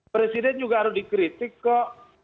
presiden juga harus dikritik kok